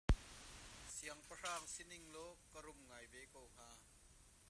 Siangpahrang rak si ninglaw ka rum ngai ve ko hnga.